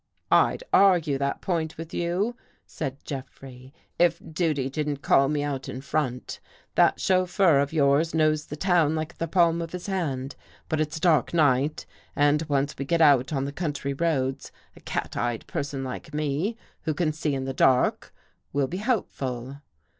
" I'd argue that point with you," said Jeffrey, " if duty didn't call me out in front. That chauf feur of yours knows the town like the palm of his hand, but it's a dark night and once we get out on the country roads, a cat eyed person like me, who can see in the dark, will be helpful."